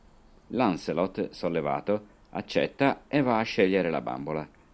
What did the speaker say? Lancelot, sollevato, accetta e va a scegliere la bambola.